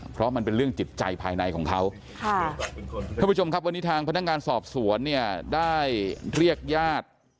เพราะมันเป็นเรื่องจิตใจภายในของเขาค่ะท่านผู้ชมครับวันนี้ทางพนักงานสอบสวนเนี่ยได้เรียกญาติ